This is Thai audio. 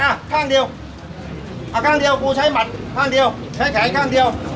อ่ะข้างเดียวอ่ะข้างเดียวกูใช้หมัดข้างเดียวใช้แขนข้างเดียว